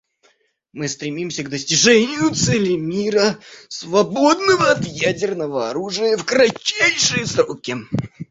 Мы стремимся к достижению цели мира, свободного от ядерного оружия, в кратчайшие сроки.